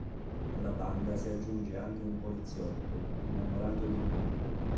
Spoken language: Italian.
Alla banda si aggiunge anche un poliziotto, innamorato di Nina.